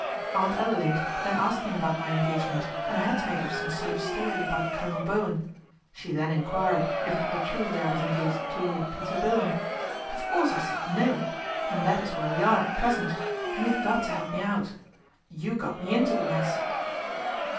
Aunt Adelaide then asked me about my engagement, and I had to make up some sort of story about Colonel Bowen. She then enquired if it were true that I was engaged to Lord Peter Bowen. Of course I said ' No,' and that is where we are at present, and you've got to help me out. You got me into the mess."